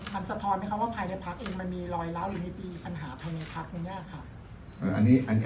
มันสะท้อนไหมครับว่าภายในพักษ์เองมันมีลอยล้าวอยู่ในปีปัญหาภายในพักษ์คุณย่าครับ